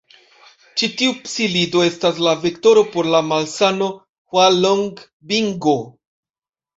Ĉi tiu psilido estas la vektoro por la malsano Hualongbingo.